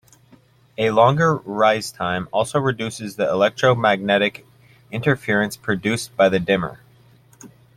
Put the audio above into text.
A longer rise time also reduces the electromagnetic interference produced by the dimmer.